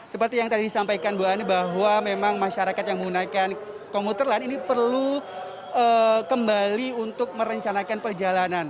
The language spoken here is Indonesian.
seperti yang tadi disampaikan bu ani bahwa memang masyarakat yang menggunakan komuter lain ini perlu kembali untuk merencanakan perjalanan